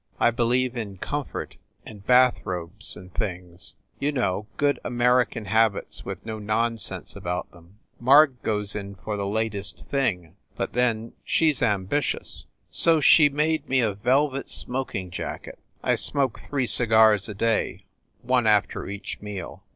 I believe in comfort and bath robes and things you know, good American habits with no nonsense about them. Marg goes in for the latest thing. But then THE ST. PAUL BUILDING 215 she s ambitious. So she made me a velvet smoking jacket I smoke three cigars a day, one after each meal.